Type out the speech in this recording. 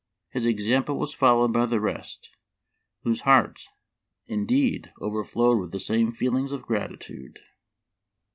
His example was followed by the rest, whose hearts, indeed, overflowed with the same feelings of gratitude."